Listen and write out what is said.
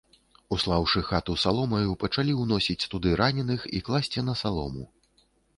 Услаўшы хату саломаю, пачалі ўносіць туды раненых і класці на салому.